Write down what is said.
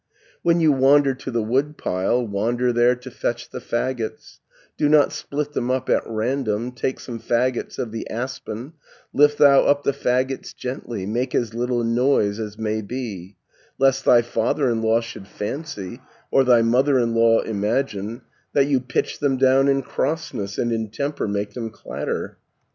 "When you wander to the wood pile, Wander there to fetch the faggots, Do not split them up at random, Take some faggots of the aspen, 320 Lift thou up the faggots gently, Make as little noise as may be, Lest thy father in law should fancy, Or thy mother in law imagine, That you pitch them down in crossness, And in temper make them clatter.